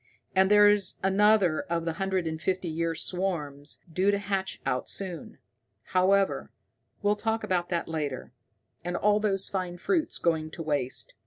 And there's another of the hundred and fifty year swarms due to hatch out soon. However, we'll talk about that later. And all those fine fruits going to waste!